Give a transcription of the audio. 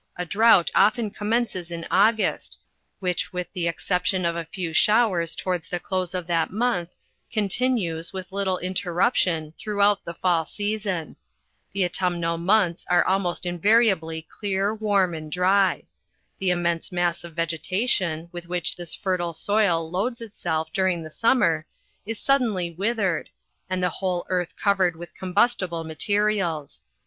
A drought often commences in August, which with the exception of a few showers towards the close of that month, continues, with little interruption, throughout the fall season. The auttrmnal months are al most invariably cleir, warm and dry. The immense mass of vegetation, with which this fertile soil loads itself during the summer, is suddenly withered, and the whole earth cov ered with combustible materials.